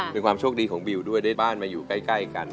เป็นความโชคดีของบิวด้วยได้บ้านมาอยู่ใกล้กัน